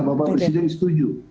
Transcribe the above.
bapak presiden setuju